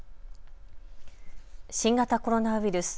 新型コロナウイルス。